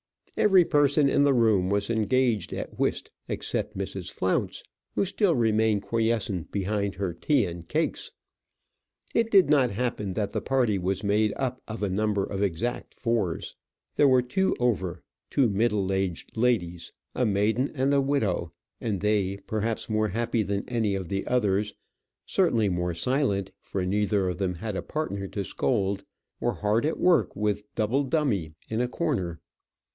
Every person in the room was engaged at whist except Mrs. Flounce, who still remained quiescent behind her tea and cakes. It did not happen that the party was made up of a number of exact fours. There were two over; two middle aged ladies, a maiden and a widow: and they, perhaps more happy than any of the others, certainly more silent for neither of them had a partner to scold, were hard at work at double dummy in a corner.